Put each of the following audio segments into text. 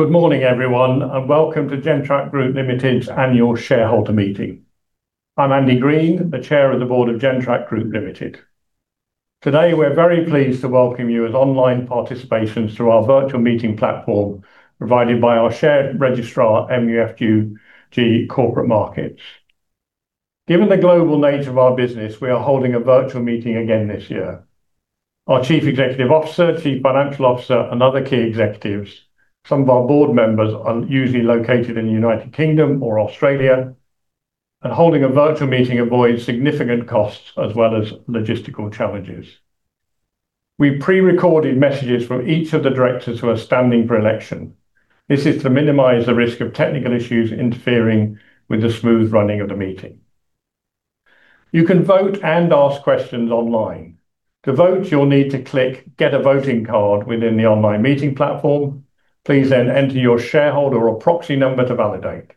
Good morning, everyone. Welcome to Gentrack Group Limited's annual shareholder meeting. I'm Andy Green, the Chair of the Board of Gentrack Group Limited. Today, we're very pleased to welcome you as online participants through our virtual meeting platform, provided by our shared registrar, MUFG Corporate Markets. Given the global nature of our business, we are holding a virtual meeting again this year. Our Chief Executive Officer, Chief Financial Officer, and other key executives, some of our Board members are usually located in the United Kingdom or Australia, and holding a virtual meeting avoids significant costs as well as logistical challenges. We've pre-recorded messages from each of the directors who are standing for election. This is to minimize the risk of technical issues interfering with the smooth running of the meeting. You can vote and ask questions online. To vote, you'll need to click Get a Voting Card within the online meeting platform. Please then enter your shareholder or proxy number to validate.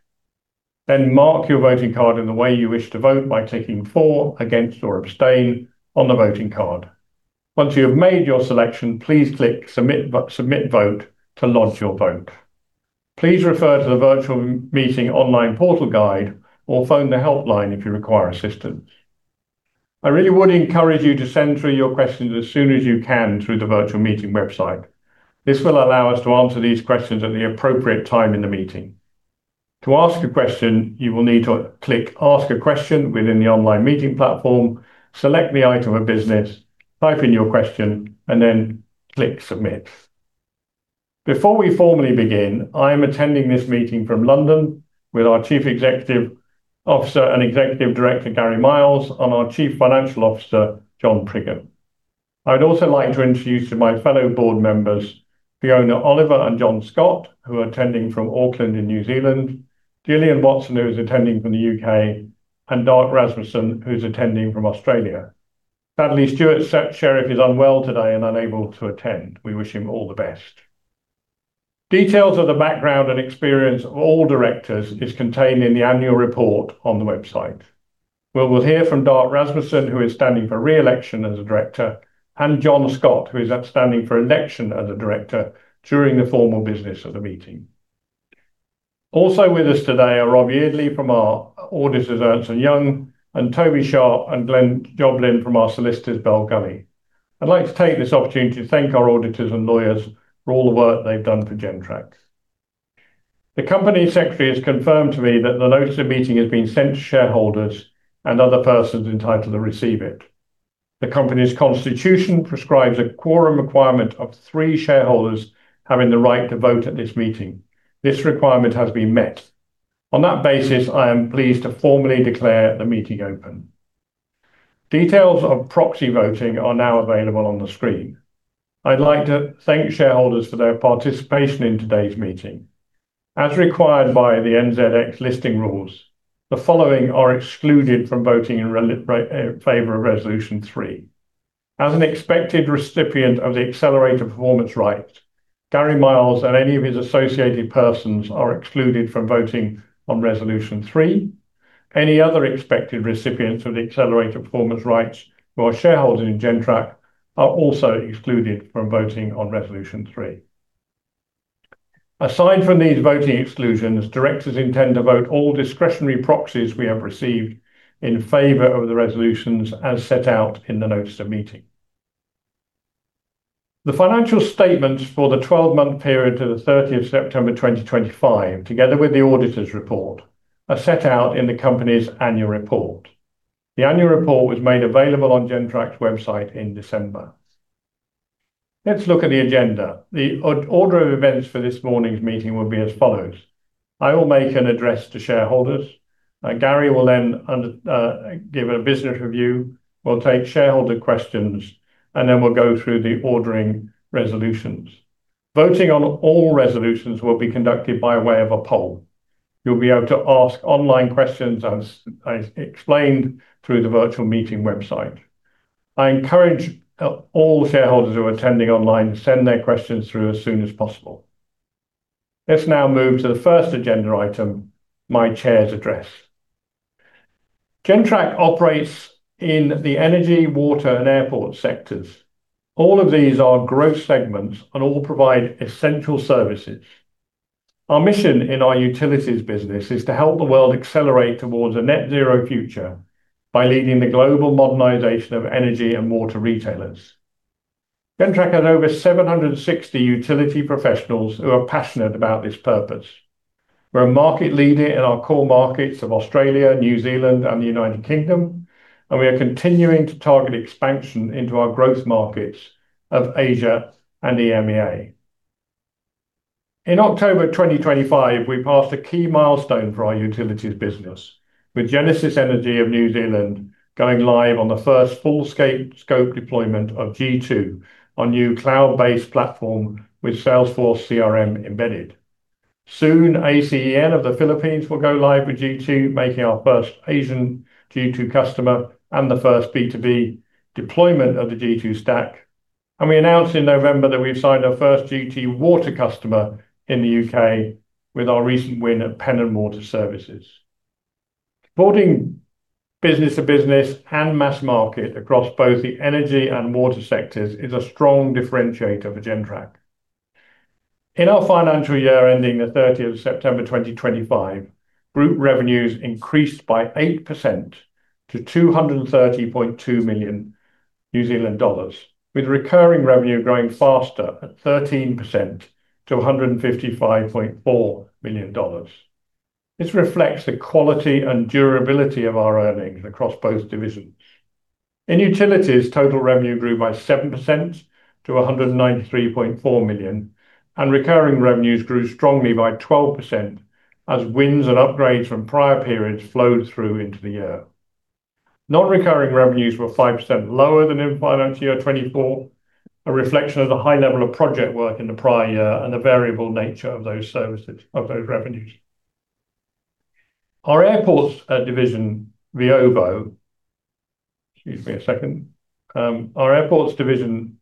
Mark your voting card in the way you wish to vote by ticking For, Against, or Abstain on the voting card. Once you have made your selection, please click Submit Vote to lodge your vote. Please refer to the virtual meeting online portal guide or phone the helpline if you require assistance. I really would encourage you to send through your questions as soon as you can through the virtual meeting website. This will allow us to answer these questions at the appropriate time in the meeting. To ask a question, you will need to click Ask a Question within the online meeting platform, select the item of business, type in your question, and then click Submit. Before we formally begin, I am attending this meeting from London with our Chief Executive Officer and Executive Director, Gary Miles, and our Chief Financial Officer, John Priggen. I would also like to introduce you to my fellow Board members, Fiona Oliver and John Scott, who are attending from Auckland in New Zealand; Gillian Watson, who is attending from the UK; and Darc Rasmussen, who's attending from Australia. Sadly, Stewart Sherriff is unwell today and unable to attend. We wish him all the best. Details of the background and experience of all directors is contained in the annual report on the website, where we'll hear from Darc Rasmussen, who is standing for re-election as a director, and John Scott, who is up standing for election as a Director during the formal business of the meeting. With us today are Rob Yeardley from our auditors, Ernst & Young, and Toby Sharpe and Glenn Joblin from our solicitors, Bell Gully. I'd like to take this opportunity to thank our auditors and lawyers for all the work they've done for Gentrack. The Company Secretary has confirmed to me that the notice of meeting has been sent to shareholders and other persons entitled to receive it. The company's constitution prescribes a quorum requirement of three shareholders having the right to vote at this meeting. This requirement has been met. On that basis, I am pleased to formally declare the meeting open. Details of proxy voting are now available on the screen. I'd like to thank shareholders for their participation in today's meeting. As required by the NZX Listing Rules, the following are excluded from voting in favor of Resolution 3. As an expected recipient of the accelerated performance rights, Gary Miles and any of his associated persons are excluded from voting on Resolution 3. Any other expected recipients of the accelerated performance rights who are shareholders in Gentrack are also excluded from voting on Resolution 3. Aside from these voting exclusions, directors intend to vote all discretionary proxies we have received in favor of the resolutions as set out in the notice of meeting. The financial statements for the 12-month period to the 30th of September, 2025, together with the auditor's report, are set out in the company's annual report. The annual report was made available on Gentrack's website in December. Let's look at the agenda. The order of events for this morning's meeting will be as follows: I will make an address to shareholders, and Gary will then give a business review. We'll take shareholder questions, then we'll go through the ordering resolutions. Voting on all resolutions will be conducted by way of a poll. You'll be able to ask online questions, as I explained, through the virtual meeting website. I encourage all shareholders who are attending online to send their questions through as soon as possible. Let's now move to the first agenda item, my chair's address. Gentrack operates in the energy, water, and airport sectors. All of these are growth segments and all provide essential services. Our mission in our utilities business is to help the world accelerate towards a net zero future by leading the global modernization of energy and water retailers. Gentrack has over 760 utility professionals who are passionate about this purpose. We're a market leader in our core markets of Australia, New Zealand, and the United Kingdom, we are continuing to target expansion into our growth markets of Asia and EMEA. In October 2025, we passed a key milestone for our utilities business, with Genesis Energy of New Zealand going live on the first full-scope deployment of g2.0, our new cloud-based platform with Salesforce CRM embedded. Soon, ACEN of the Philippines will go live with g2.0, making our first Asian g2.0 customer and the first B2B deployment of the g2.0 stack. We announced in November that we've signed our first g2.0 water customer in the U.K. with our recent win at Pennon Water Services. Supporting business to business and mass market across both the energy and water sectors is a strong differentiator for Gentrack. In our financial year ending the 30th of September 2025, group revenues increased by 8% to 230.2 million New Zealand dollars (New Zealand Dollar), with recurring revenue growing faster at 13% to 155.4 million dollars (New Zealand Dollar). This reflects the quality and durability of our earnings across both divisions. In utilities, total revenue grew by 7% to 193.4 million (New Zealand Dollar), and recurring revenues grew strongly by 12% as wins and upgrades from prior periods flowed through into the year. Non-recurring revenues were 5% lower than in financial year 2024, a reflection of the high level of project work in the prior year and the variable nature of those services, of those revenues. Our airports division, Veovo, excuse me a second. Our airports division,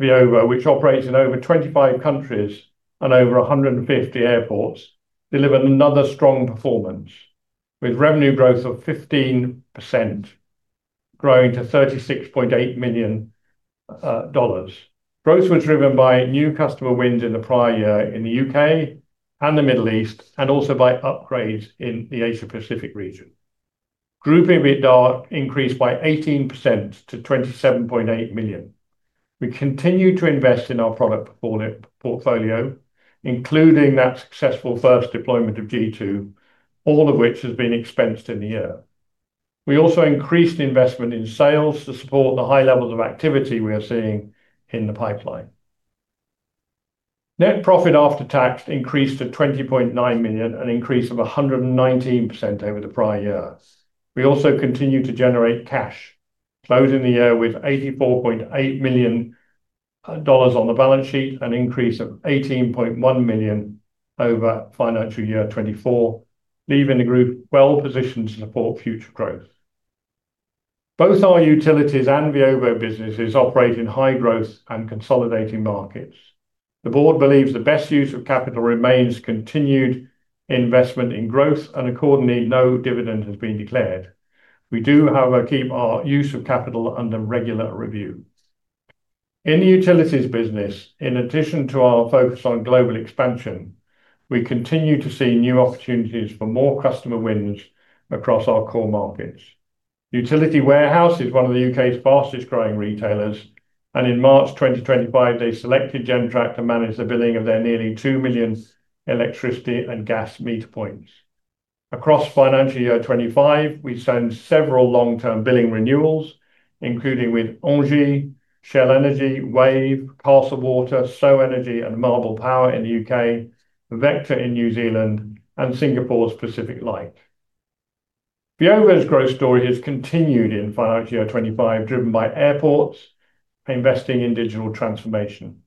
Veovo, which operates in over 25 countries and over 150 airports, delivered another strong performance, with revenue growth of 15%, growing to 36.8 million dollars (New Zealand Dollar). Growth was driven by new customer wins in the prior year in the UK and the Middle East, also by upgrades in the Asia-Pacific region. Group EBITDA increased by 18% to 27.8 million (New Zealand Dollar). We continue to invest in our product portfolio, including that successful first deployment of g2.0, all of which has been expensed in the year. We also increased investment in sales to support the high levels of activity we are seeing in the pipeline. Net profit after tax increased to 20.9 million (New Zealand Dollar), an increase of 119% over the prior year. We also continued to generate cash, closing the year with 84.8 million dollars (New Zealand Dollar) on the balance sheet, an increase of 18.1 million (New Zealand Dollar) over financial year 2024, leaving the group well positioned to support future growth. Both our utilities and Veovo businesses operate in high growth and consolidating markets. The Board believes the best use of capital remains continued investment in growth, and accordingly, no dividend has been declared. We do, however, keep our use of capital under regular review. In the utilities business, in addition to our focus on global expansion, we continue to see new opportunities for more customer wins across our core markets. Utility Warehouse is one of the U.K.'s fastest growing retailers, and in March 2025, they selected Gentrack to manage the billing of their nearly 2 million electricity and gas meter points. Across financial year 2025, we signed several long-term billing renewals, including with ENGIE, Shell Energy, Wave, Castle Water, So Energy, and Marble Power in the U.K., Vector in New Zealand, and Singapore's PacificLight. Veovo's growth story has continued in financial year 2025, driven by airports investing in digital transformation.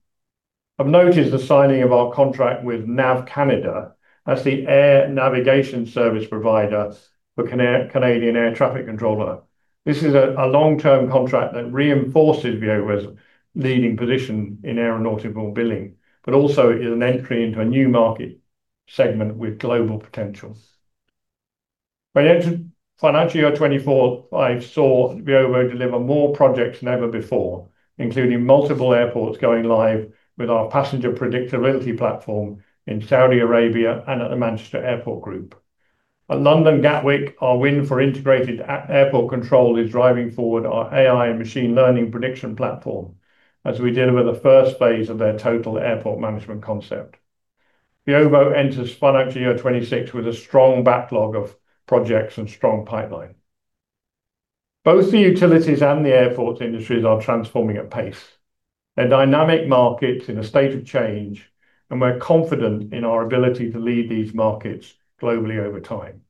I've noticed the signing of our contract with NAV CANADA as the air navigation service provider for Canadian air traffic controller. This is a long-term contract that reinforces Veovo's leading position in aeronautical billing, but also is an entry into a new market segment with global potential. Financial year 2024-2025 saw Veovo deliver more projects than ever before, including multiple airports going live with our passenger predictability platform in Saudi Arabia and at the Manchester Airports Group. At London Gatwick, our win for integrated airport control is driving forward our AI and machine learning prediction platform as we deliver the first phase of their Total Airport Management concept. Veovo enters financial year 2026 with a strong backlog of projects and strong pipeline. Both the utilities and the airports industries are transforming at pace. They're dynamic markets in a state of change, and we're confident in our ability to lead these markets globally over time.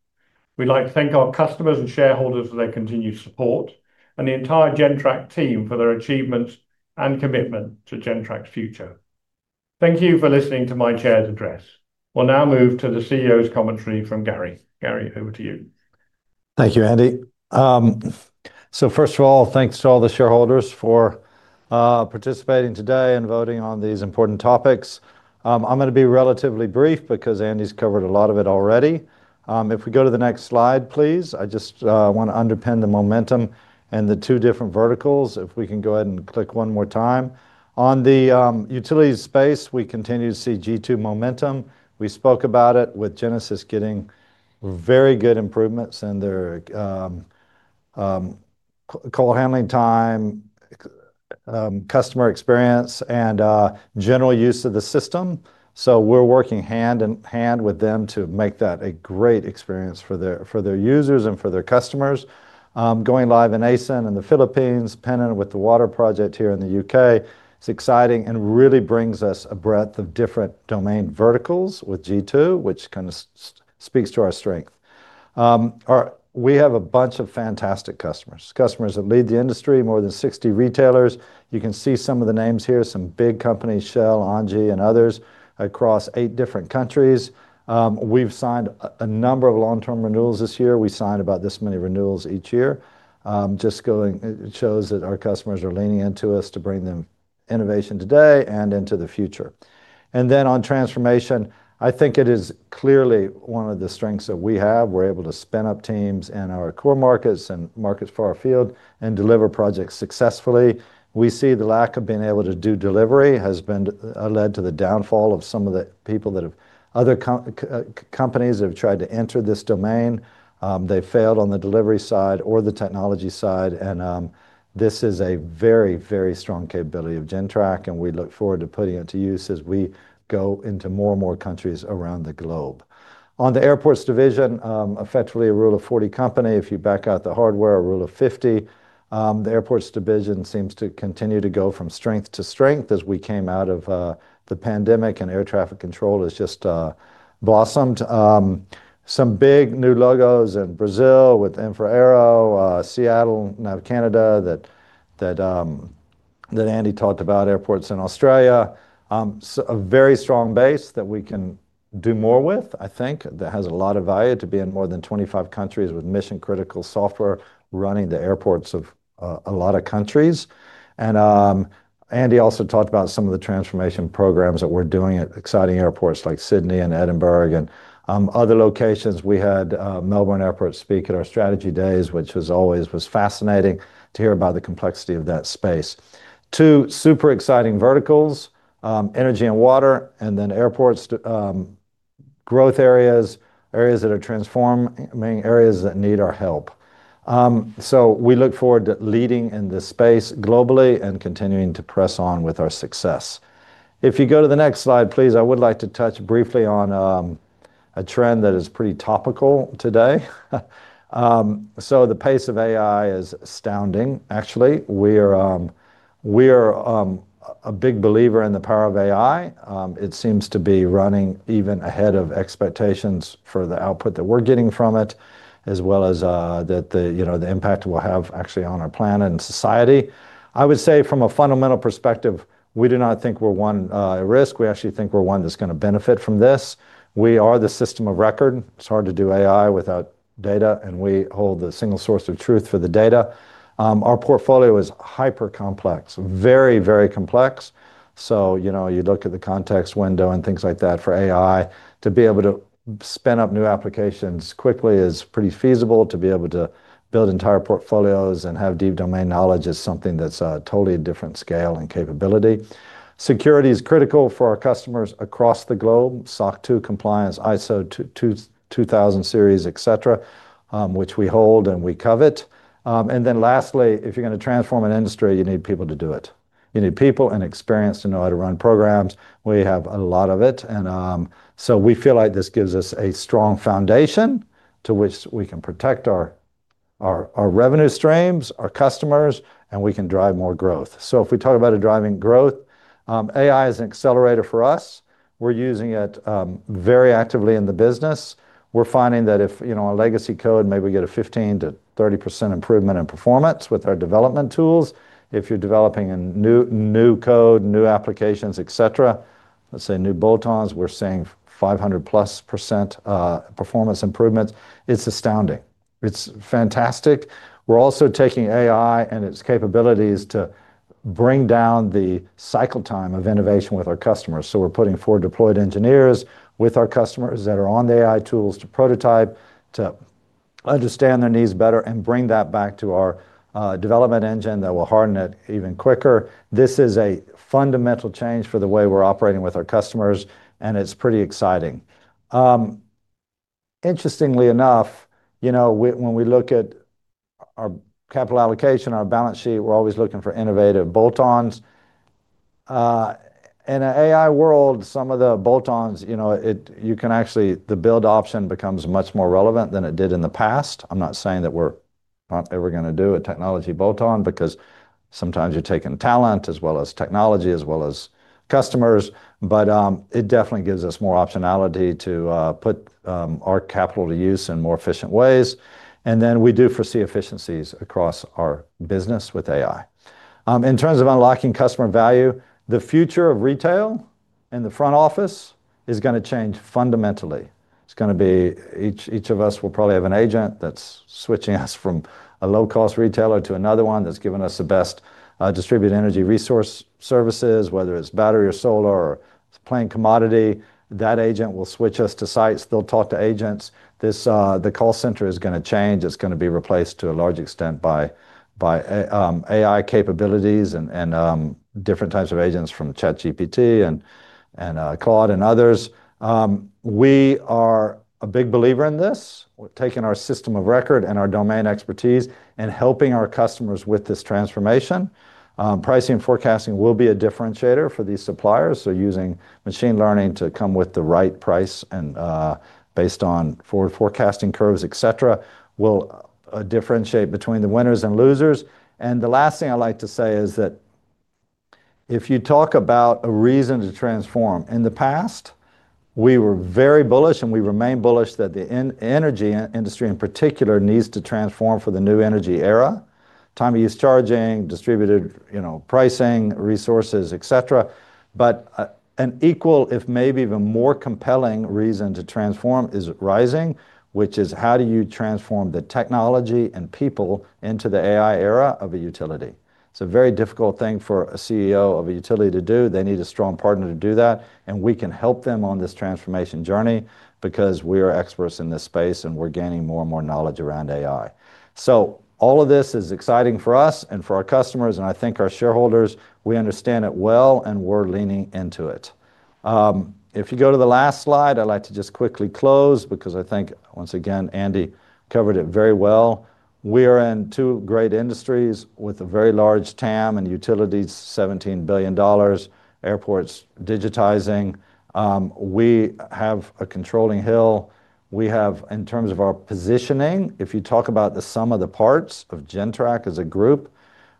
We'd like to thank our customers and shareholders for their continued support and the entire Gentrack team for their achievements and commitment to Gentrack's future. Thank you for listening to my chair's address. We'll now move to the CEO's commentary from Gary. Gary, over to you. Thank you, Andy. First of all, thanks to all the shareholders for participating today and voting on these important topics. I'm gonna be relatively brief because Andy's covered a lot of it already. If we go to the next slide, please, I just wanna underpin the momentum and the two different verticals. If we can go ahead and click one more time. On the utilities space, we continue to see g2.0 momentum. We spoke about it with Genesis getting very good improvements in their call handling time, customer experience, and general use of the system. We're working hand in hand with them to make that a great experience for their, for their users and for their customers. Going live in ACEN and the Philippines, Pennon with the water project here in the U.K., it's exciting and really brings us a breadth of different domain verticals with g2.0, which kind of speaks to our strength. We have a bunch of fantastic customers that lead the industry, more than 60 retailers. You can see some of the names here, some big companies, Shell, ENGIE, and others, across eight different countries. We've signed a number of long-term renewals this year. We sign about this many renewals each year. It shows that our customers are leaning into us to bring them innovation today and into the future. On transformation, I think it is clearly one of the strengths that we have. We're able to spin up teams in our core markets and markets far afield and deliver projects successfully. We see the lack of being able to do delivery has been led to the downfall of some of the people that have companies that have tried to enter this domain, they failed on the delivery side or the technology side, this is a very, very strong capability of Gentrack, and we look forward to putting it to use as we go into more and more countries around the globe. On the airports division, effectively a Rule of 40 company, if you back out the hardware, a Rule of 40. The airports division seems to continue to go from strength to strength as we came out of the pandemic, air traffic control has just blossomed. Some big new logos in Brazil with Infraero, Seattle, NAV CANADA, that Andy talked about, airports in Australia. A very strong base that we can do more with, I think. That has a lot of value to be in more than 25 countries with mission-critical software, running the airports of a lot of countries. Andy also talked about some of the transformation programs that we're doing at exciting airports like Sydney and Edinburgh and other locations. We had Melbourne Airport speak at our strategy days, which was always fascinating to hear about the complexity of that space. Two super exciting verticals, energy and water, and then airports to growth areas that are transforming, areas that need our help. We look forward to leading in this space globally and continuing to press on with our success. If you go to the next slide, please, I would like to touch briefly on a trend that is pretty topical today. The pace of AI is astounding, actually. We are a big believer in the power of AI. It seems to be running even ahead of expectations for the output that we're getting from it, as well as the, you know, the impact it will have actually on our planet and society. I would say from a fundamental perspective, we do not think we're one at risk. We actually think we're one that's gonna benefit from this. We are the system of record. It's hard to do AI without data, and we hold the single source of truth for the data. Our portfolio is hyper complex, very, very complex. You know, you look at the context window and things like that for AI, to be able to spin up new applications quickly is pretty feasible. To be able to build entire portfolios and have deep domain knowledge is something that's a totally different scale and capability. Security is critical for our customers across the globe, SOC 2 compliance, ISO 27000 series, et cetera, which we hold and we covet. Lastly, if you're going to transform an industry, you need people to do it. You need people and experience to know how to run programs. We have a lot of it. We feel like this gives us a strong foundation to which we can protect our revenue streams, our customers, and we can drive more growth. If we talk about driving growth, AI is an accelerator for us. We're using it very actively in the business. We're finding that if, you know, a legacy code, maybe we get a 15%-30% improvement in performance with our development tools. If you're developing a new code, new applications, et cetera, let's say new bolt-ons, we're seeing 500+% performance improvements. It's astounding. It's fantastic. We're also taking AI and its capabilities to bring down the cycle time of innovation with our customers. We're putting forward deployed engineers with our customers that are on the AI tools to prototype, to understand their needs better and bring that back to our development engine that will harden it even quicker. This is a fundamental change for the way we're operating with our customers, and it's pretty exciting. Interestingly enough, you know, when we look at our capital allocation, our balance sheet, we're always looking for innovative bolt-ons. In an AI world, some of the bolt-ons, you know, you can actually the build option becomes much more relevant than it did in the past. I'm not saying that we're not ever gonna do a technology bolt-on, because sometimes you're taking talent as well as technology, as well as customers, but it definitely gives us more optionality to put our capital to use in more efficient ways. We do foresee efficiencies across our business with AI. In terms of unlocking customer value, the future of retail and the front office is gonna change fundamentally. It's gonna be each of us will probably have an agent that's switching us from a low-cost retailer to another one that's giving us the best distributed energy resource services, whether it's battery or solar or plain commodity. That agent will switch us to sites. They'll talk to agents. The call center is gonna change. It's gonna be replaced to a large extent by AI capabilities and different types of agents from ChatGPT and Claude and others. We are a big believer in this. We're taking our system of record and our domain expertise and helping our customers with this transformation. Pricing and forecasting will be a differentiator for these suppliers. Using machine learning to come with the right price and based on forecasting curves, et cetera, will differentiate between the winners and losers. The last thing I'd like to say is that if you talk about a reason to transform, in the past, we were very bullish, and we remain bullish that the energy industry in particular, needs to transform for the new energy era, time of use charging, distributed, you know, pricing, resources, et cetera. An equal, if maybe even more compelling reason to transform is rising, which is how do you transform the technology and people into the AI era of a utility? It's a very difficult thing for a CEO of a utility to do. They need a strong partner to do that, and we can help them on this transformation journey because we are experts in this space, and we're gaining more and more knowledge around AI. All of this is exciting for us and for our customers, and I think our shareholders, we understand it well, and we're leaning into it. If you go to the last slide, I'd like to just quickly close because I think, once again, Andy covered it very well. We are in two great industries with a very large TAM and utilities, $17 billion, airports digitizing. We have a controlling hill. We have, in terms of our positioning, if you talk about the sum of the parts of Gentrack as a group,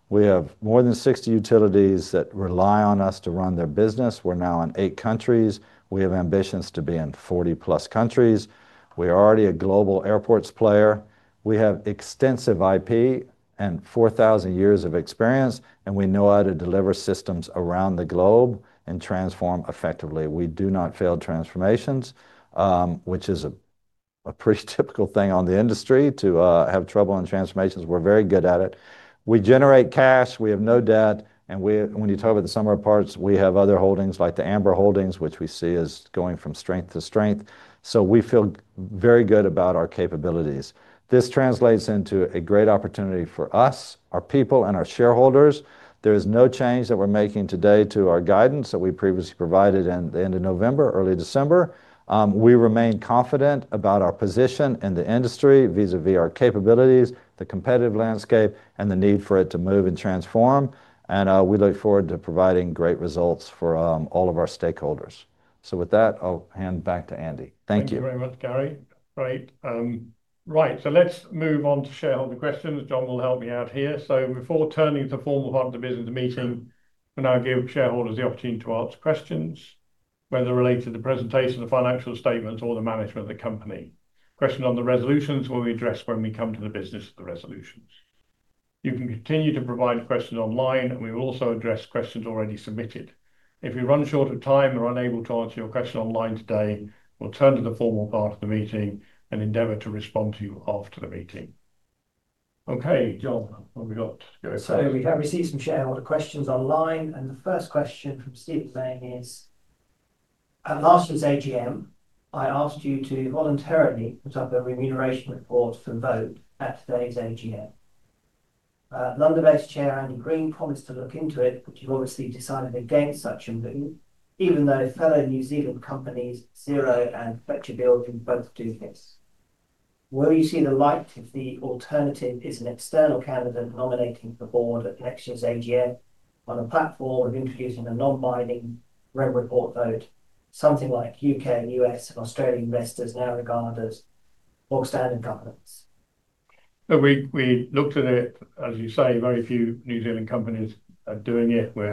we have more than 60 utilities that rely on us to run their business. We're now in eight countries. We have ambitions to be in 40+ countries. We are already a global airports player. We have extensive IP and 4,000 years of experience. We know how to deliver systems around the globe and transform effectively. We do not fail transformations, which is a pretty typical thing on the industry to have trouble on transformations. We're very good at it. We generate cash, we have no debt. When you talk about the sum of parts, we have other holdings like the Amber holdings, which we see as going from strength to strength. We feel very good about our capabilities. This translates into a great opportunity for us, our people, and our shareholders. There is no change that we're making today to our guidance that we previously provided in the end of November, early December. We remain confident about our position in the industry vis-a-vis our capabilities, the competitive landscape, and the need for it to move and transform, and we look forward to providing great results for all of our stakeholders. With that, I'll hand back to Andy. Thank you. Thank you very much, Gary. Great. Right, let's move on to shareholder questions. John will help me out here. Before turning to the formal part of the business meeting, we now give shareholders the opportunity to ask questions, whether related to the presentation, the financial statements, or the management of the company. Questions on the resolutions will be addressed when we come to the business of the resolutions. You can continue to provide questions online, and we will also address questions already submitted. If we run short of time or unable to answer your question online today, we'll turn to the formal part of the meeting and endeavor to respond to you after the meeting. Okay, John, what have we got to go through? We have received some shareholder questions online, and the first question from Steve May is: "At last year's AGM, I asked you to voluntarily put up a remuneration report for vote at today's AGM. London-based Chair, Andy Green, promised to look into it, but you've obviously decided against such a move, even though fellow New Zealand companies, Xero and Fletcher Building, both do this. Will you see the light if the alternative is an external candidate nominating the Board at next year's AGM on a platform of introducing a non-binding rem report vote, something like U.K., U.S., and Australian investors now regard as substandard governance? We looked at it. As you say, very few New Zealand companies are doing it. We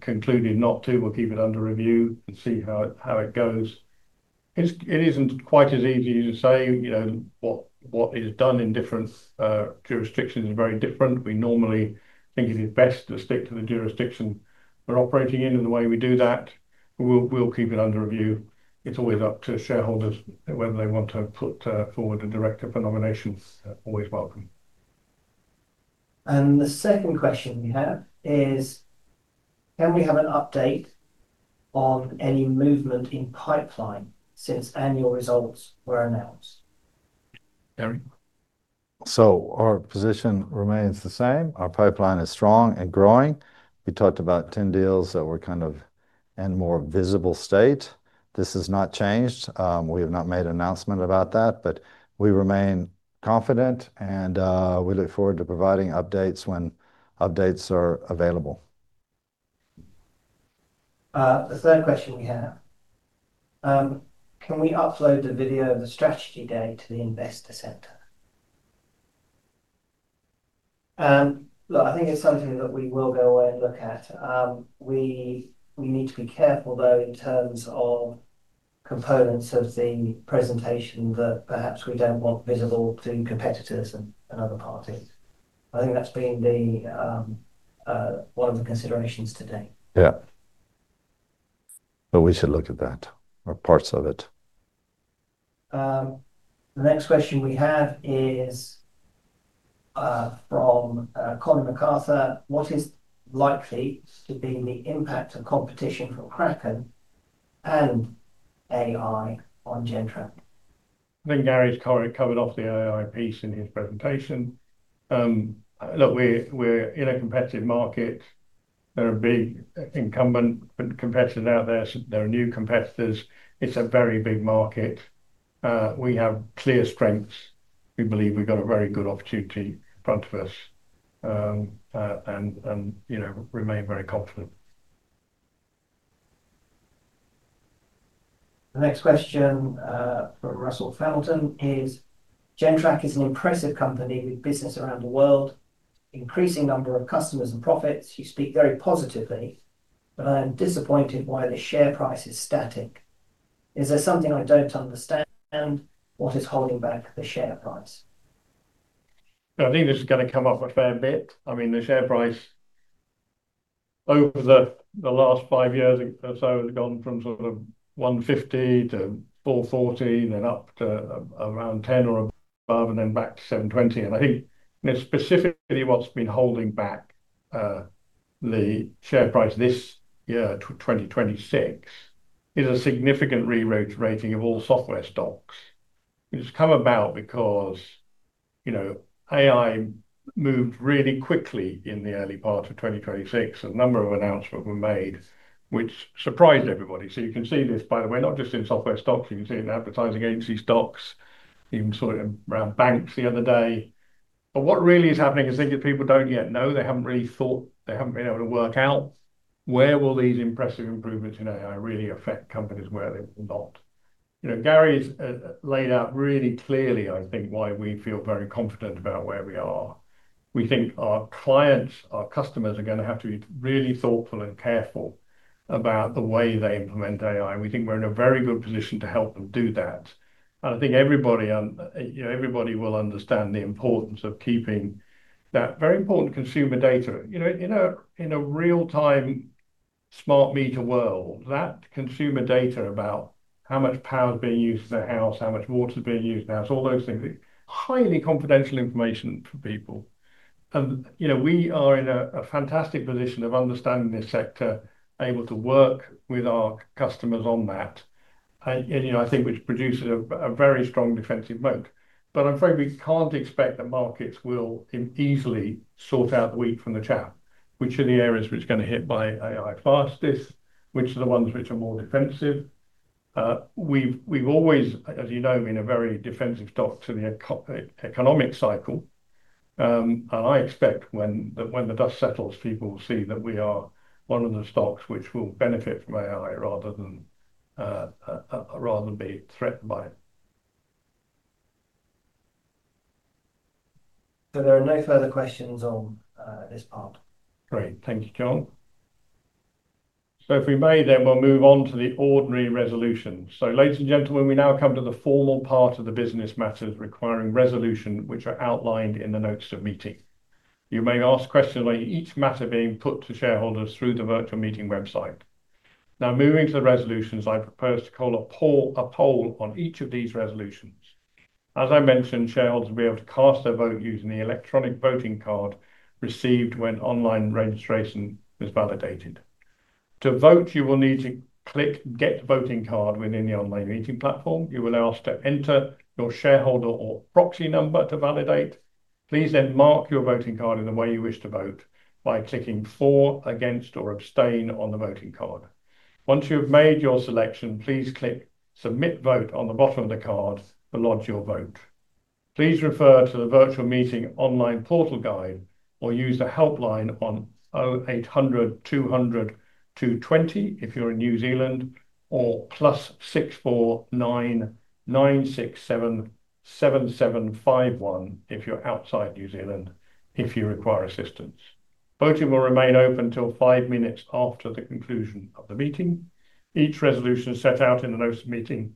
concluded not to. We'll keep it under review and see how it goes. It's, it isn't quite as easy to say, you know, what is done in different jurisdictions is very different. We normally think it is best to stick to the jurisdiction we're operating in and the way we do that. We'll keep it under review. It's always up to shareholders whether they want to put forward a director for nominations. Always welcome. The second question we have is: "Can we have an update on any movement in pipeline since annual results were announced? Gary. Our position remains the same. Our pipeline is strong and growing. We talked about 10 deals that were kind of in more visible state. This has not changed. We have not made an announcement about that, but we remain confident, and we look forward to providing updates when updates are available. The third question we have: "Can we upload the video of the strategy day to the investor center?" Look, I think it's something that we will go away and look at. We need to be careful, though, in terms of components of the presentation that perhaps we don't want visible to competitors and other parties. I think that's been the one of the considerations today. Yeah. We should look at that or parts of it. The next question we have is from Connor McArthur: "What is likely to be the impact of competition from Kraken and AI on Gentrack? I think Gary's covered off the AI piece in his presentation. Look, we're in a competitive market. There are big incumbent competitors out there. There are new competitors. It's a very big market. We have clear strengths. We believe we've got a very good opportunity in front of us, and, you know, remain very confident. The next question from Russell Felton is: "Gentrack is an impressive company with business around the world, increasing number of customers and profits. You speak very positively, but I'm disappointed why the share price is static. Is there something I don't understand? What is holding back the share price? I think this is gonna come up a fair bit. I mean, the share price over the last five years or so has gone from sort of 1.50-4.14, and up to around 10 or above, and then back to 7.20. I think specifically what's been holding back the share price this year, to 2026, is a significant rerating of all software stocks. It's come about because, you know, AI moved really quickly in the early part of 2026. A number of announcements were made, which surprised everybody. You can see this, by the way, not just in software stocks. You can see it in advertising agency stocks, even saw it around banks the other day. What really is happening is I think people don't yet know, they haven't really thought, they haven't been able to work out, where will these impressive improvements in AI really affect companies where they will not? You know, Gary's laid out really clearly, I think, why we feel very confident about where we are. We think our clients, our customers, are gonna have to be really thoughtful and careful about the way they implement AI. We think we're in a very good position to help them do that. I think everybody, you know, everybody will understand the importance of keeping that very important consumer data. You know, in a, in a real-time smart meter world, that consumer data about how much power is being used in the house, how much water is being used in the house, all those things, are highly confidential information for people. You know, we are in a fantastic position of understanding this sector, able to work with our customers on that. You know, I think which produces a very strong defensive moat. I'm afraid we can't expect that markets will easily sort out the wheat from the chaff. Which are the areas which are gonna hit by AI fastest, which are the ones which are more defensive. We've always, as you know, been a very defensive stock to the economic cycle. I expect when the dust settles, people will see that we are one of the stocks which will benefit from AI rather than be threatened by it. There are no further questions on, this part. Great. Thank you, John. If we may, we'll move on to the ordinary resolution. Ladies and gentlemen, we now come to the formal part of the business matters requiring resolution, which are outlined in the notice of meeting. You may ask questions on each matter being put to shareholders through the virtual meeting website. Moving to the resolutions, I propose to call a poll on each of these resolutions. As I mentioned, shareholders will be able to cast their vote using the electronic voting card received when online registration is validated. To vote, you will need to click Get Voting Card within the online meeting platform. You will be asked to enter your shareholder or proxy number to validate. Please mark your voting card in the way you wish to vote by clicking For, Against, or Abstain on the voting card. Once you've made your selection, please click Submit Vote on the bottom of the card to lodge your vote. Please refer to the virtual meeting online portal guide or use the helpline on 0800 200 220 if you're in New Zealand, or +64 9967 7751 if you're outside New Zealand, if you require assistance. Voting will remain open till five minutes after the conclusion of the meeting. Each resolution set out in the notice of meeting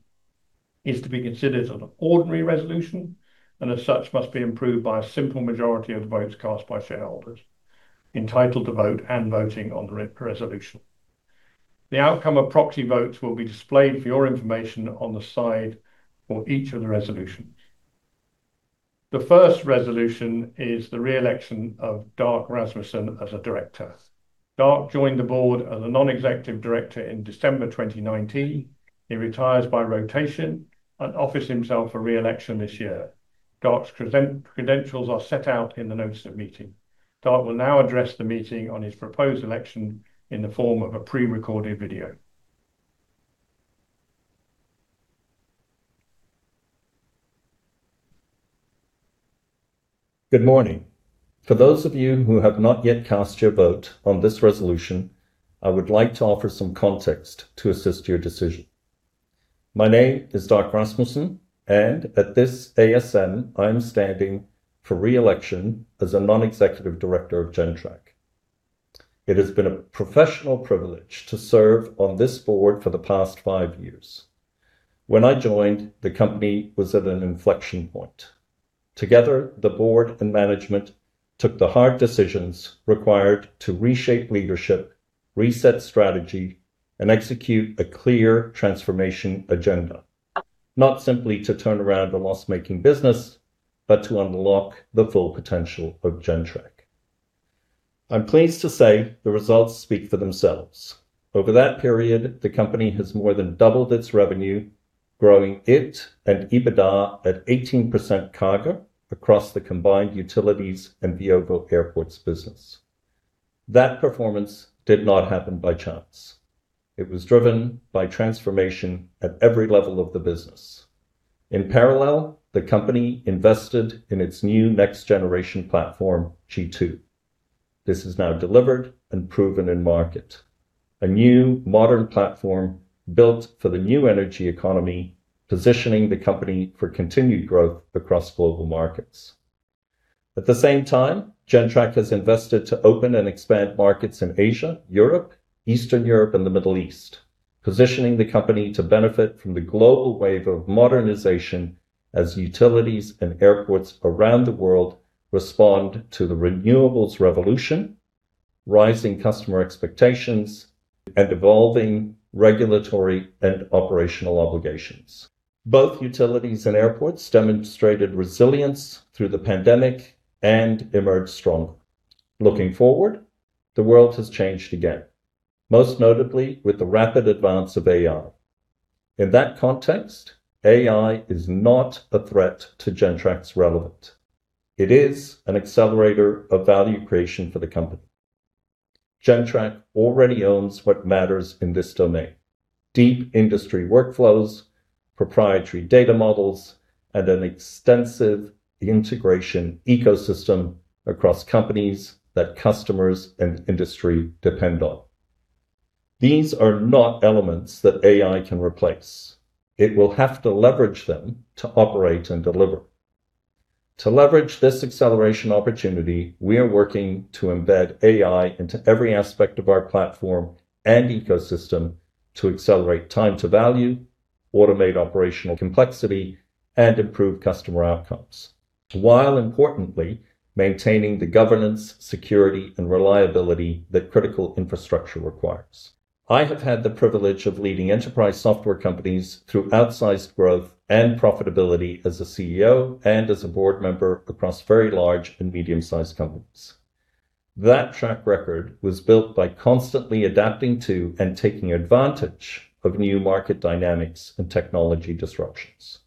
is to be considered an ordinary resolution. As such, must be improved by a simple majority of the votes cast by shareholders entitled to vote and voting on the resolution. The outcome of proxy votes will be displayed for your information on the side for each of the resolutions. The first resolution is the re-election of Darc Rasmussen as a Director. Darc joined the Board as a Non-Executive Director in December 2019. He retires by rotation and offers himself for re-election this year. Darc's credentials are set out in the notice of meeting. Darc will now address the meeting on his proposed election in the form of a pre-recorded video. Good morning. For those of you who have not yet cast your vote on this resolution, I would like to offer some context to assist your decision. My name is Darc Rasmussen. At this ASN, I am standing for re-election as a Non-Executive Director of Gentrack. It has been a professional privilege to serve on this Board for the past five years. When I joined, the company was at an inflection point. Together, the Board and management took the hard decisions required to reshape leadership, reset strategy, and execute a clear transformation agenda. Not simply to turn around the loss-making business, but to unlock the full potential of Gentrack. I'm pleased to say the results speak for themselves. Over that period, the company has more than doubled its revenue, growing it and EBITDA at 18% CAGR across the combined utilities and Veovo airports business. That performance did not happen by chance. It was driven by transformation at every level of the business. The company invested in its new next generation platform, g2.0. This is now delivered and proven in market. A new modern platform built for the new energy economy, positioning the company for continued growth across global markets. Gentrack has invested to open and expand markets in Asia, Europe, Eastern Europe, and the Middle East, positioning the company to benefit from the global wave of modernization as utilities and airports around the world respond to the renewables revolution, rising customer expectations, and evolving regulatory and operational obligations. Both utilities and airports demonstrated resilience through the pandemic and emerged stronger. Looking forward, the world has changed again, most notably with the rapid advance of AI. AI is not a threat to Gentrack's relevant. It is an accelerator of value creation for the company. Gentrack already owns what matters in this domain: deep industry workflows, proprietary data models, and an extensive integration ecosystem across companies that customers and industry depend on. These are not elements that AI can replace. It will have to leverage them to operate and deliver. To leverage this acceleration opportunity, we are working to embed AI into every aspect of our platform and ecosystem to accelerate time to value, automate operational complexity, and improve customer outcomes, while importantly, maintaining the governance, security, and reliability that critical infrastructure requires. I have had the privilege of leading enterprise software companies through outsized growth and profitability as a CEO and as a Board member across very large and medium-sized companies. That track record was built by constantly adapting to and taking advantage of new market dynamics and technology disruptions.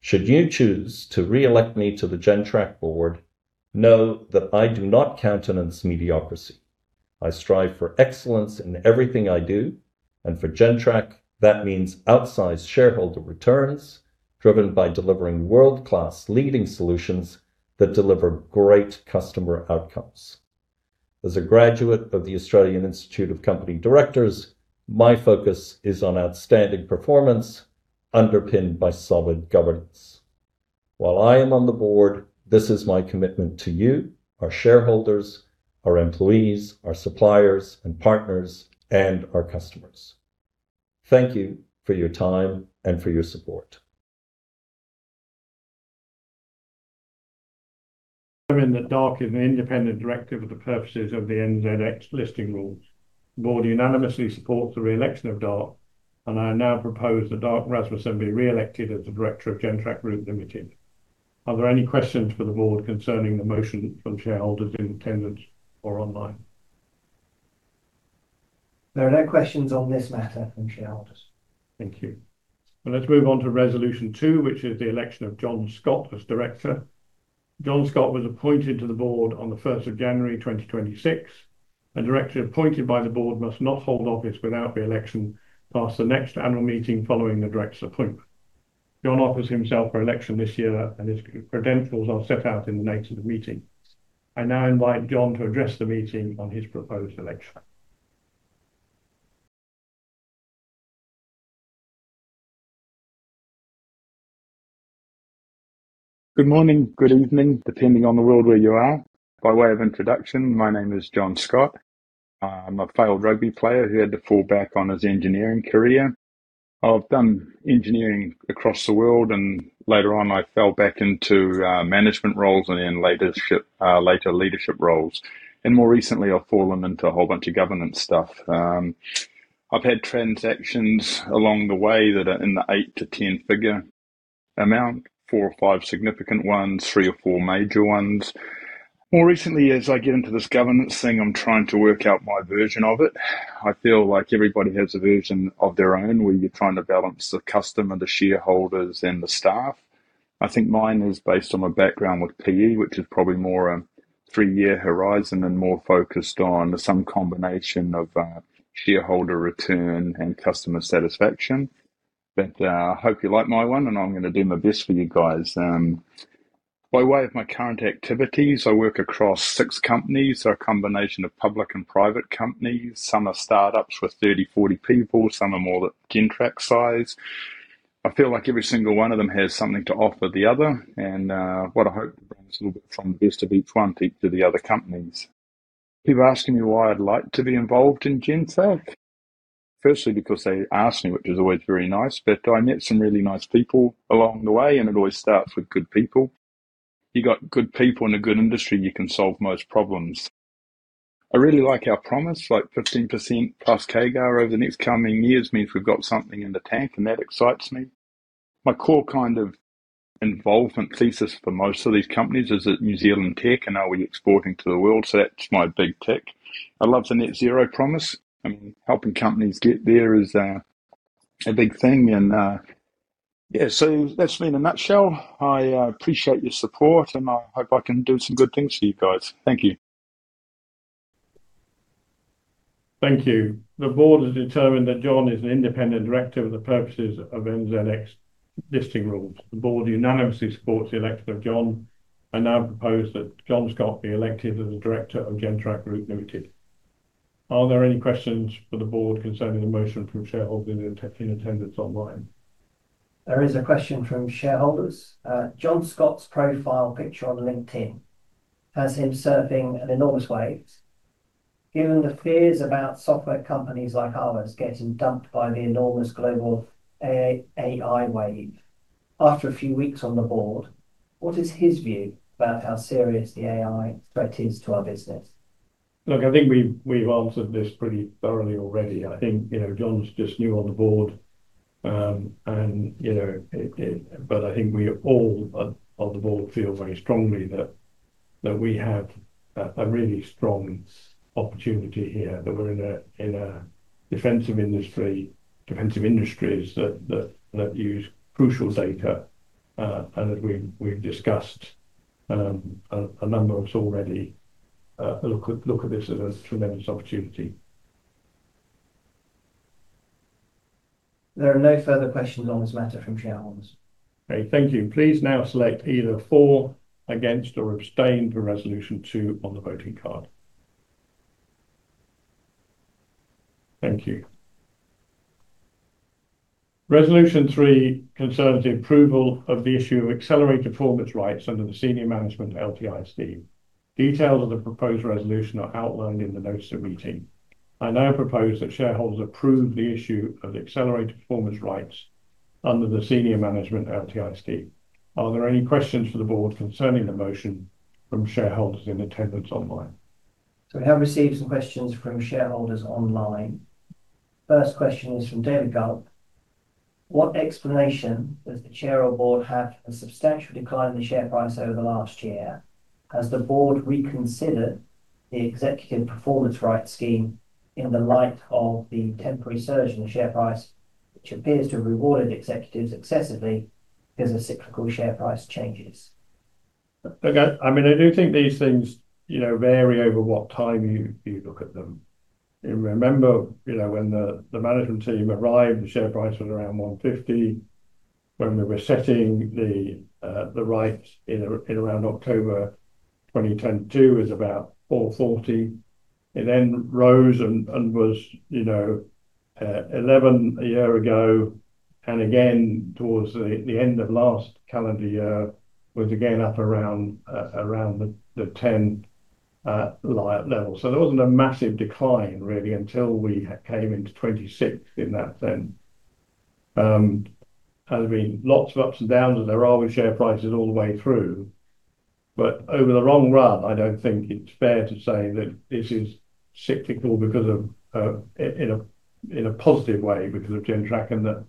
Should you choose to re-elect me to the Gentrack Board, know that I do not countenance mediocrity. I strive for excellence in everything I do, and for Gentrack, that means outsized shareholder returns, driven by delivering world-class leading solutions that deliver great customer outcomes. As a graduate of the Australian Institute of Company Directors, my focus is on outstanding performance, underpinned by solid governance. While I am on the Board, this is my commitment to you, our shareholders, our employees, our suppliers and partners, and our customers. Thank you for your time and for your support. In that Darc is an independent director for the purposes of the NZX Listing Rules. The Board unanimously supports the re-election of Darc. I now propose that Darc Rasmussen be re-elected as the director of Gentrack Group Limited. Are there any questions for the Board concerning the motion from shareholders in attendance or online? There are no questions on this matter from shareholders. Thank you. Well, let's move on to Resolution 2, which is the election of John Scott as Director. John Scott was appointed to the Board on the 1st of January 2026. A Director appointed by the Board must not hold office without re-election past the next annual meeting following the director's appointment. John offers himself for election this year. His credentials are set out in the notes of the meeting. I now invite John to address the meeting on his proposed election. Good morning, good evening, depending on the world where you are. By way of introduction, my name is John Scott. I'm a failed rugby player who had to fall back on his engineering career. I've done engineering across the world, and later on I fell back into management roles and then leadership, later leadership roles, and more recently I've fallen into a whole bunch of governance stuff. I've had transactions along the way that are in the 8-10 figure amount, four or five significant ones, three or four major ones. More recently, as I get into this governance thing, I'm trying to work out my version of it. I feel like everybody has a version of their own, where you're trying to balance the customer, the shareholders, and the staff. I think mine is based on my background with PE, which is probably more a three-year horizon and more focused on some combination of shareholder return and customer satisfaction. I hope you like my one, and I'm gonna do my best for you guys. By way of my current activities, I work across six companies, so a combination of public and private companies. Some are startups with 30, 40 people. Some are more the Gentrack size. I feel like every single one of them has something to offer the other, and what I hope to bring is a little bit from the best of each one to the other companies. People asking me why I'd like to be involved in Gentrack. Because they asked me, which is always very nice. I met some really nice people along the way. It always starts with good people. You got good people in a good industry, you can solve most problems. I really like our promise, like 15%+ CAGR over the next coming years means we've got something in the tank. That excites me. My core kind of involvement thesis for most of these companies is that New Zealand Tech and are we exporting to the world. That's my big tick. I love the net zero promise. I mean, helping companies get there is a big thing. Yeah. That's me in a nutshell. I appreciate your support. I hope I can do some good things for you guys. Thank you. Thank you. The Board has determined that John is an independent director for the purposes of NZX Listing Rules. The Board unanimously supports the election of John. I now propose that John Scott be elected as a director of Gentrack Group Limited. Are there any questions for the Board concerning the motion from shareholders in attendance online? There is a question from shareholders. John Scott's profile picture on LinkedIn has him surfing an enormous wave. Given the fears about software companies like ours getting dumped by the enormous global AI wave, after a few weeks on the Board, what is his view about how serious the AI threat is to our business? Look, I think we've answered this pretty thoroughly already. I think, you know, John's just new on the Board, and, you know, I think we all on the Board feel very strongly that we have a really strong opportunity here. That we're in a defensive industry, defensive industries that use crucial data, and that we've discussed, a number of us already, look at this as a tremendous opportunity. There are no further questions on this matter from shareholders. Okay, thank you. Please now select either For, Against, or Abstain for Resolution 2 on the voting card. Thank you. Resolution 3 concerns the approval of the issue of accelerated performance rights under the Senior Management LTI Scheme. Details of the proposed resolution are outlined in the notice of meeting. I now propose that shareholders approve the issue of accelerated performance rights under the Senior Management LTI Scheme. Are there any questions for the Board concerning the motion from shareholders in attendance online? We have received some questions from shareholders online. First question is from David Gulp. "What explanation does the Chair or Board have for the substantial decline in the share price over the last year? Has the Board reconsidered the executive performance right scheme in the light of the temporary surge in the share price, which appears to have rewarded executives excessively because of cyclical share price changes? Look, I mean, I do think these things, you know, vary over what time you look at them. Remember, you know, when the management team arrived, the share price was around 1.50. When we were setting the rights in around October 2022 was about 4.40. It then rose and was, you know, 11.00 a year ago. Again, towards the end of last calendar year, was again up around the 10.00 level. There wasn't a massive decline really, until we came into 2026 in that then. There's been lots of ups and downs, and there are with share prices all the way through. Over the long run, I don't think it's fair to say that this is cyclical because of, in a positive way, because of Gentrack, and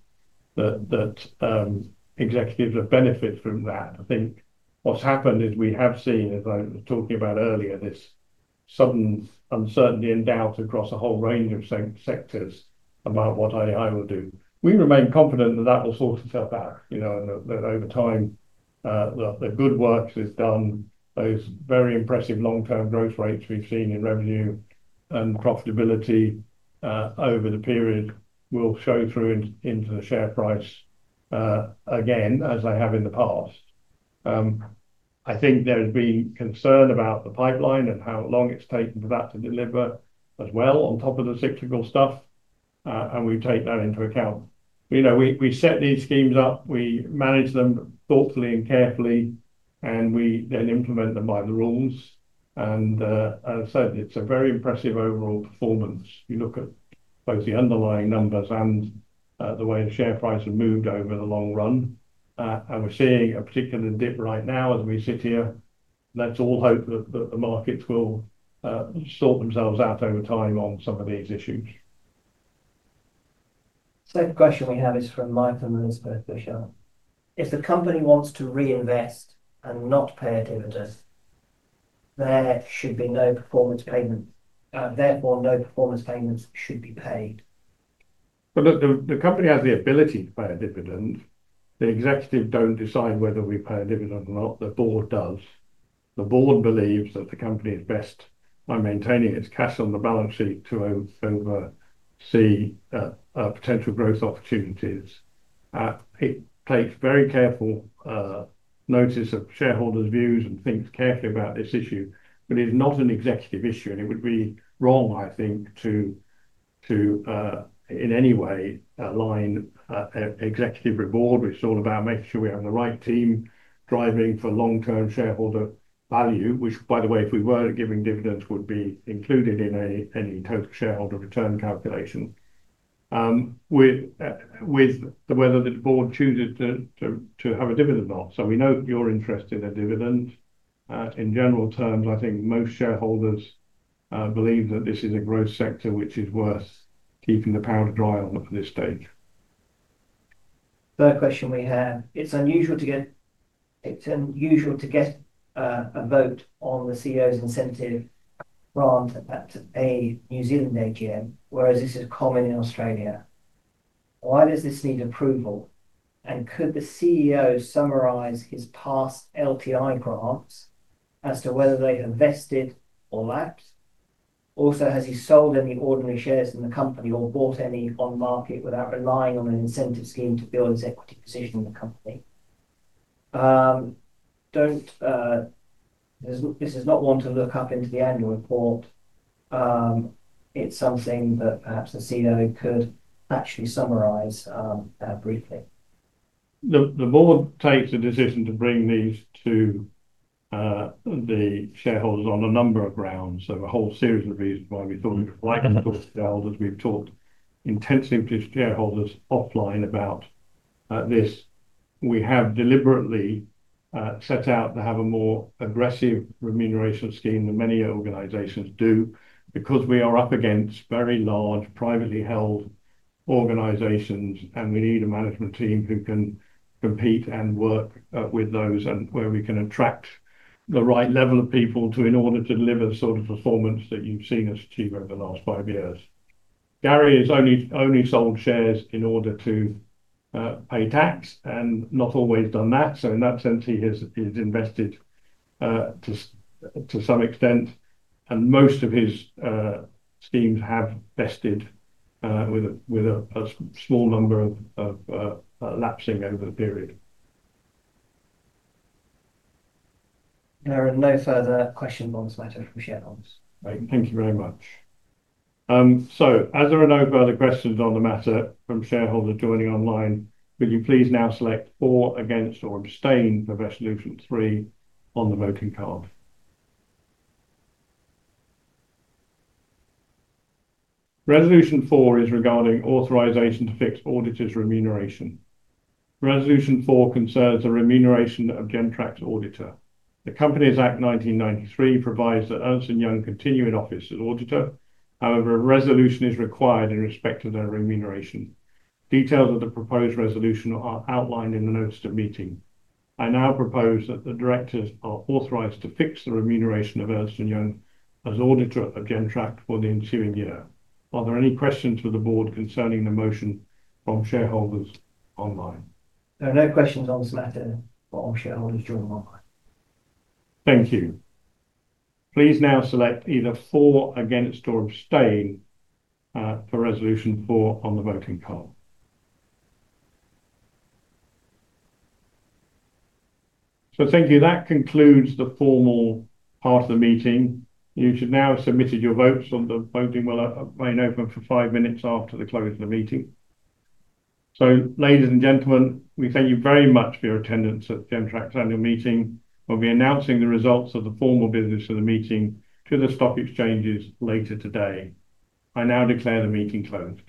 that executives have benefited from that. I think what's happened is we have seen, as I was talking about earlier, this sudden uncertainty and doubt across a whole range of sectors about what AI will do. We remain confident that that will sort itself out, you know, and that over time, the good work that's done, those very impressive long-term growth rates we've seen in revenue and profitability, over the period will show through in, into the share price, again, as they have in the past. I think there's been concern about the pipeline and how long it's taken for that to deliver as well, on top of the cyclical stuff, and we take that into account. You know, we set these schemes up, we manage them thoughtfully and carefully, and we then implement them by the rules. As I said, it's a very impressive overall performance. You look at both the underlying numbers and, the way the share price has moved over the long run. We're seeing a particular dip right now as we sit here, let's all hope that the markets will sort themselves out over time on some of these issues. Second question we have is from Michael Elizabeth Michelle. "If the company wants to reinvest and not pay a dividend, there should be no performance payments. Therefore, no performance payments should be paid. look, the company has the ability to pay a dividend. The executive don't decide whether we pay a dividend or not, the Board does. The Board believes that the company is best by maintaining its cash on the balance sheet to oversee potential growth opportunities. it takes very careful notice of shareholders' views and thinks carefully about this issue, but it is not an executive issue, and it would be wrong, I think, to in any way align executive reward, which is all about making sure we have the right team driving for long-term total shareholder return value. Which, by the way, if we were giving dividends, would be included in any total shareholder return calculation. with whether the Board chooses to have a dividend or not. we know you're interested in a dividend. In general terms, I think most shareholders believe that this is a growth sector which is worth keeping the powder dry on at this stage. Third question we have: "It's unusual to get a vote on the CEO's incentive grant at a New Zealand AGM, whereas this is common in Australia. Why does this need approval? Could the CEO summarize his past LTI grants as to whether they have vested or lapsed? Also, has he sold any ordinary shares in the company or bought any on the market without relying on an incentive scheme to build his equity position in the company?" Don't, this is not one to look up into the annual report. It's something that perhaps the CEO could actually summarize briefly. The Board takes a decision to bring these to the shareholders on a number of grounds. A whole series of reasons why we thought we'd like to talk to shareholders. We've talked intensely with shareholders offline about this. We have deliberately set out to have a more aggressive remuneration scheme than many organizations do, because we are up against very large, privately held organizations, and we need a management team who can compete and work with those, and where we can attract the right level of people in order to deliver the sort of performance that you've seen us achieve over the last five years. Gary has only sold shares in order to pay tax, and not always done that. In that sense, he has, he's invested to some extent, and most of his schemes have vested with a small number of lapsing over the period. There are no further questions on this matter from shareholders. Right. Thank you very much. As there are no further questions on the matter from shareholders joining online, will you please now select For, Against, or Abstain for Resolution 3 on the voting card? Resolution 4 is regarding authorization to fix auditors' remuneration. Resolution 4 concerns the remuneration of Gentrack's auditor. The Companies Act 1993 provides that Ernst & Young continue in office as auditor. A resolution is required in respect to their remuneration. Details of the proposed resolution are outlined in the notice of meeting. I now propose that the directors are authorized to fix the remuneration of Ernst & Young as auditor of Gentrack for the ensuing year. Are there any questions for the Board concerning the motion from shareholders online? There are no questions on this matter from shareholders joining online. Thank you. Please now select either For, Against, or Abstain, for Resolution 4 on the voting card. Thank you. That concludes the formal part of the meeting. You should now have submitted your votes, and the voting will remain open for five minutes after the close of the meeting. Ladies and gentlemen, we thank you very much for your attendance at Gentrack's annual meeting. We'll be announcing the results of the formal business of the meeting to the stock exchanges later today. I now declare the meeting closed.